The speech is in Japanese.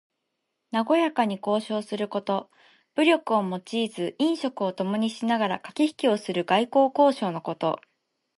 なごやかに交渉すること。武力を用いず飲食をともにしながらかけひきをする外交交渉のこと。